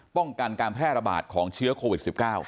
ป้องกันการแพร่ระบาดของเชื้อโควิด๑๙